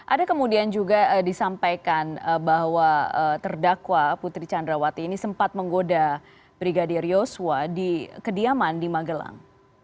ada kemudian juga disampaikan bahwa terdakwa putri candrawati ini sempat menggoda brigadir yosua di kediaman di magelang